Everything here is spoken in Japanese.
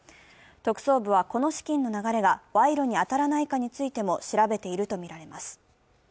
特捜部は、この資金の流れが賄賂に当たらないかについても調べているとみられます。